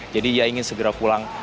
jadi ia ingin segera pulang